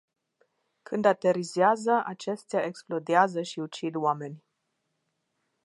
Când aterizează, acestea explodează și ucid oameni.